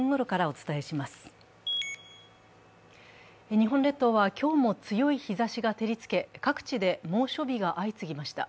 日本列島は今日も強い日ざしが照りつけ、各地で猛暑日が相次ぎました。